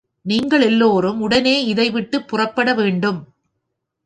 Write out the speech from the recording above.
நீங்களெல்லோரும் உடனே இதை விட்டுப் புறப்பட வேண்டும்.